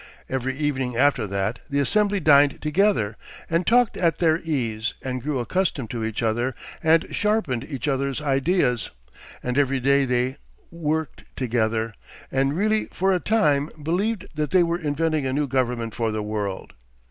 Every evening after that the assembly dined together and talked at their ease and grew accustomed to each other and sharpened each other's ideas, and every day they worked together, and really for a time believed that they were inventing a new government for the world.